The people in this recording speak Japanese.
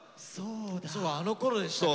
あのころでしたか。